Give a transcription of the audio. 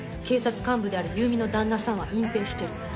警察幹部である優美の旦那さんは隠蔽してる。